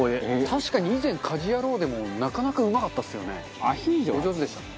確かに以前『家事ヤロウ！！！』でもなかなかうまかったですよね。